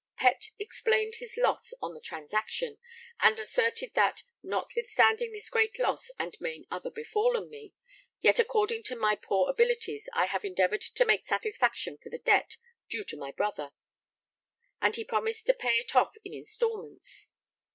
Pett explained his loss on the transaction, and asserted that, 'notwithstanding this great loss and main other befallen me, yet according to my poor abilities I have endeavoured to make satisfaction for the debt due to my brother,' and he promised to pay it off in instalments.